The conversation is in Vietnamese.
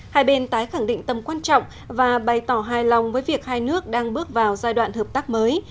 hai bên tái khẳng định tầm quan trọng và bày tỏ hài lòng với việc hai nước đang bước vào giai đoạn hợp tác mới